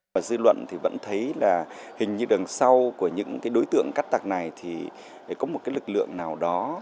và dư luận thì vẫn thấy là hình như đằng sau của những cái đối tượng cát tặc này thì có một cái lực lượng nào đó